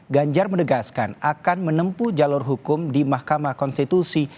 ganjar menegaskan akan menempuh jalur hukum di mahkamah konstitusi